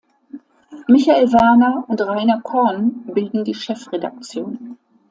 Michael Werner und Rainer Korn bilden die Chefredaktion.